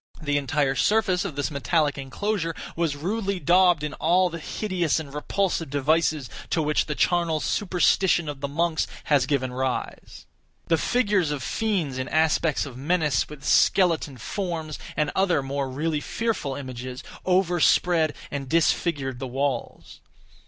The entire surface of this metallic enclosure was rudely daubed in all the hideous and repulsive devices to which the charnel superstition of the monks has given rise. The figures of fiends in aspects of menace, with skeleton forms, and other more really fearful images, overspread and disfigured the walls.